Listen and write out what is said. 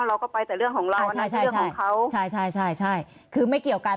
เราก็ไปแต่เรื่องของเราใช่ใช่ใช่ใช่ใช่ใช่คือไม่เกี่ยวกัน